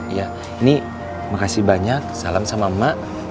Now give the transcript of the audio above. iya ini makasih banyak salam sama emak